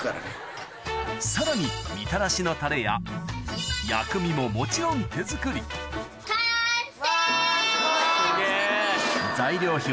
さらにみたらしのタレや薬味ももちろん手作り・完成！